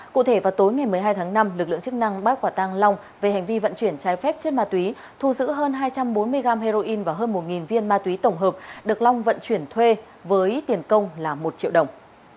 cụ thể vào tối ngày một mươi hai tháng năm lực lượng chức năng bắt quả tăng long về hành vi vận chuyển trái phép chất ma túy thu giữ hơn hai trăm bốn mươi gram heroin và hơn một viên ma túy tổng hợp được long vận chuyển thuê với tiền công là một triệu đồng